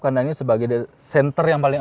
karena ini sebagai center yang paling